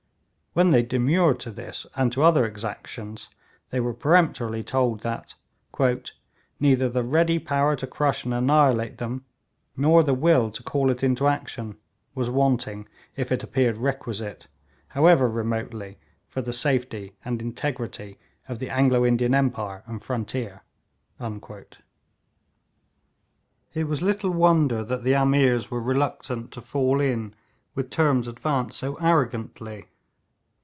When they demurred to this, and to other exactions, they were peremptorily told that 'neither the ready power to crush and annihilate them, nor the will to call it into action, was wanting if it appeared requisite, however remotely, for the safety and integrity of the Anglo Indian empire and frontier.' It was little wonder that the Ameers were reluctant to fall in with terms advanced so arrogantly.